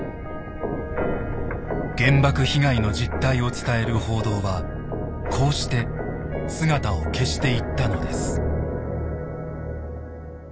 原爆被害の実態を伝える報道はこうして姿を消していったのです。